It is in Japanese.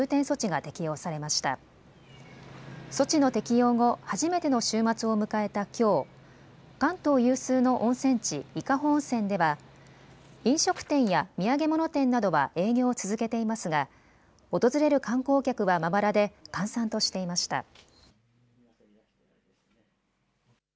措置の適用後、初めての週末を迎えたきょう関東有数の温泉地、伊香保温泉では飲食店や土産物店などは営業を続けていますが訪れる観光客はまばらで閑散としていました。